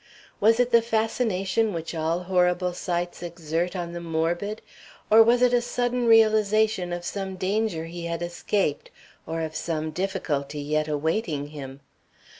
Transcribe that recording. Was it the fascination which all horrible sights exert on the morbid, or was it a sudden realization of some danger he had escaped, or of some difficulty yet awaiting him?